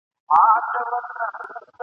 یا د وږو نس ته ځي لار یې دېګدان سي ..